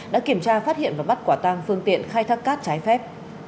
đã kiểm tra phát hiện và bắt quả tăng phương tiện khai thác cát trái phép